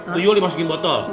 tuyul dimasukin botol